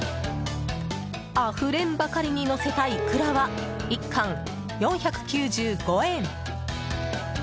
あふれんばかりにのせたイクラは１貫４９５円。